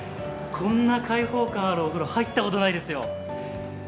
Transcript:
こんな解放感あるお風呂入ったことないですよ。